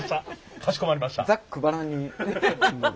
かしこまりました。